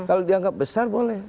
kalau dianggap besar boleh